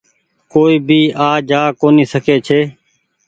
ڪوئي ڀي آج جآ ڪونيٚ سکي ڇي۔